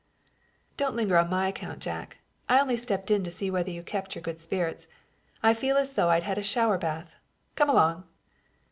"Don't linger on my account, Jack. I only stopped in to see whether you kept your good spirits. I feel as though I'd had a shower bath. Come along."